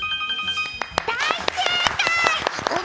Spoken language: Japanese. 大正解！